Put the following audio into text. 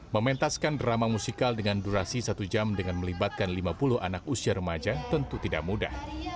mementaskan drama musikal dengan durasi satu jam dengan melibatkan lima puluh anak usia remaja tentu tidak mudah